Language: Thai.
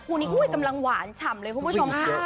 คู่นี้กำลังหวานฉ่ำเลยคุณผู้ชมค่ะ